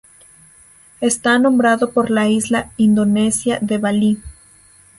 Está nombrado por la isla indonesia de Bali.